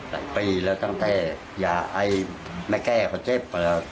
ในปีละอย่างไอมาแก้กอเจ็บ